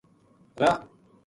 راہ